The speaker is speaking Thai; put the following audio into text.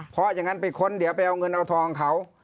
เพราะอย่างนั้นไปค้นเดี๋ยวไปเอาเงินเอาทองเขา